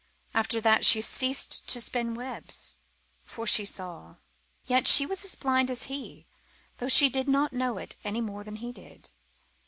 After that she ceased to spin webs, for she saw. Yet she was as blind as he, though she did not know it any more than he did.